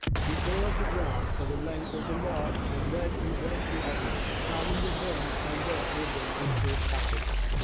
He tore up the ground for the length of the log, and then he went to others, cramming the worms and dirt with them into his pockets.